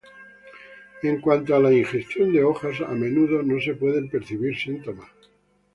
En cuanto a la ingestión de hojas, a menudo no se pueden percibir síntomas.